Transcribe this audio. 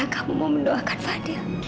kamu mau mendoakan fadil